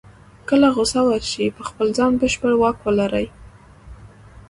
کله غوسه ورشي په خپل ځان بشپړ واک ولري.